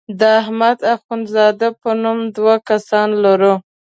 د احمد اخوند زاده په نوم دوه کسان لرو.